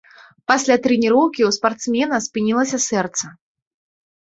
Пасля трэніроўкі ў спартсмена спынілася сэрца.